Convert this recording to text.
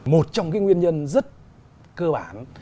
một trong cái nguyên nhân rất cơ bản